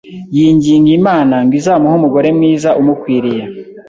yinginga Imana ngo izamuhe umugore mwiza umukwiriye,